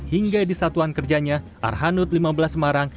hingga di satuan kerjanya arhanud lima belas semarang